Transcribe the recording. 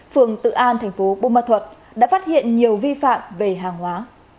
phường tự an thành phố bù ma thuật đã phát hiện nhiều vi phạm về hàng hóa